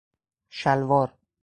شلوار